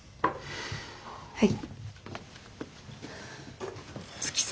はい。